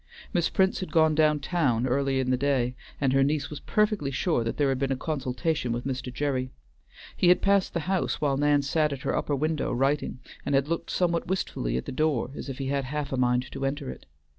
Miss Prince had gone down town early in the day, and her niece was perfectly sure that there had been a consultation with Mr. Gerry. He had passed the house while Nan sat at her upper window writing, and had looked somewhat wistfully at the door as if he had half a mind to enter it.